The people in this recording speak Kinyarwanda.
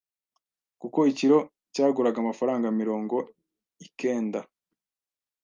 kuko ikilo cyaguraga amafaranga mirongo ikenda